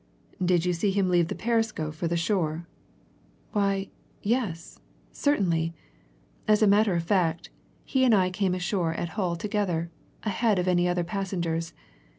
"Did you see him leave the Perisco for the shore?" "Why, yes, certainly! As a matter of fact, he and I came ashore at Hull together, ahead of any other passengers.